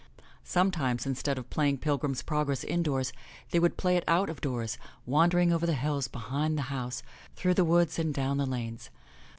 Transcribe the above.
Sometimes, instead of playing Pilgrim's Progress indoors they would play it out of doors, wander ing over the hills behind the house, through the woods and down the lanes.